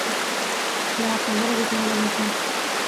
তিনি আট নম্বরে ব্যাটিংয়ে নেমেছেন।